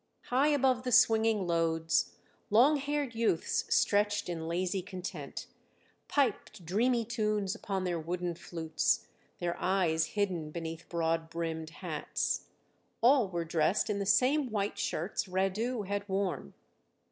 High above the swinging loads long haired youths stretched in lazy content, piped dreamy tunes upon their wooden flutes, their eyes hidden beneath broad brimmed hats. All were dressed in the same white shirts Radu had worn.